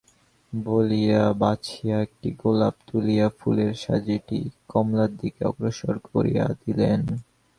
বলিয়া বাছিয়া একটি গোলাপ তুলিয়া ফুলের সাজিটি কমলার দিকে অগ্রসর করিয়া দিলেন।